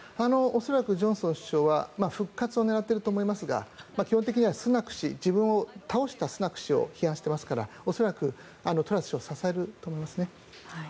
恐らくジョンソン首相は復活を狙っていると思いますが基本的にはスナク氏自分を倒したスナク氏を批判していますから恐らくトラス氏を支えると思いますね。